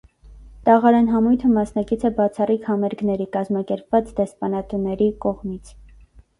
«Տաղարան» համույթը մասնակից է բացառիկ համերգների՝ կազմակերպված դեսպանատների կողմից։